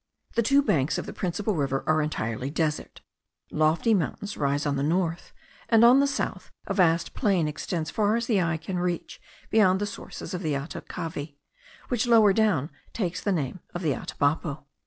The two banks of the principal river are entirely desert; lofty mountains rise on the north, and on the south a vast plain extends far as the eye can reach beyond the sources of the Atacavi, which lower down takes the name of the Atabapo.